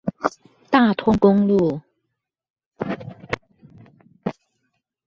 大通公路